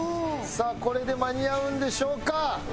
さあこれで間に合うんでしょうか。